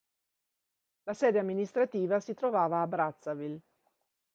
La sede amministrativa si trovava a Brazzaville.